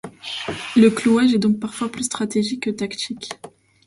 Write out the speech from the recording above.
Le clouage est donc parfois plus stratégique que tactique.